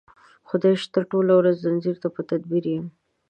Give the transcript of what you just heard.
خدای شته ټوله ورځ ځنځیر ته په تدبیر یم